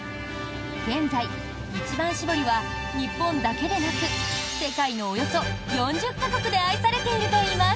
現在、一番搾りは日本だけでなく世界のおよそ４０か国で愛されているといいます。